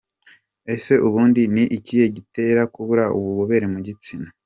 Ese ubundi ni iki gitera kubura ububobere mu gitsina.